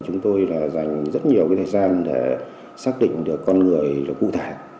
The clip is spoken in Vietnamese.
chúng tôi là dành rất nhiều cái thời gian để xác định được con người là cụ thể